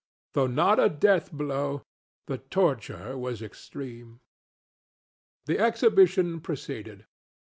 Though not a death blow, the torture was extreme. The exhibition proceeded.